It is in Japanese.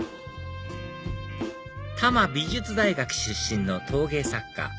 多摩美術大学出身の陶芸作家